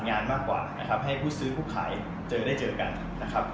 ไม่เกี่ยวกับท่านเลยนะครับท่านก็ทำงานของท่านผมก็ทำงานของผมนะครับ